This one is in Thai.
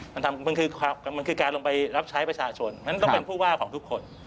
มันคือการลงไปรับใช้ประชาชนนั้นต้องเป็นผู้ว่าของทุกคน